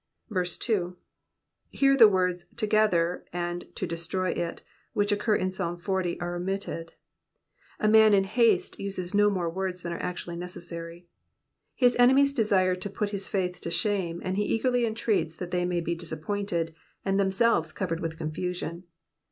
2. Here the words, together," and, to destroy it," which occur in Psalm zl., are omitted : a man in haste uses no more words than are actually neces sary. His enemies desired to put his faith to shame, and he eagerly entreats that they may be disappointed, and themselves covered with confusion.